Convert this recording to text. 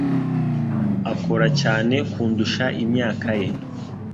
Akora cyane kundusha imyaka ye.